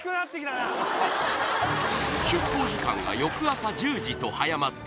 出航時間が翌朝１０時と早まった